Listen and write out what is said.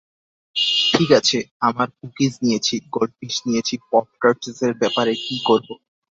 ঠিক আছে, আমরা কুকিজ নিয়েছি, গোল্ডফিশ নিয়েছি পপ-টার্টসের ব্যাপারে কি করব?